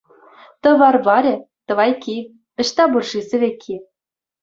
Тӑвар варӗ — тӑвайкки, ӑҫта пур-ши сӗвекки?